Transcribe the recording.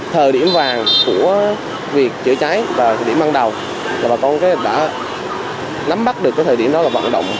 thời điểm vàng của việc chữa cháy vào thời điểm ban đầu là bà con đã nắm bắt được cái thời điểm đó là vận động